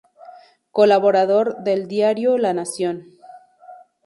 Colaborador del "diario La Nación".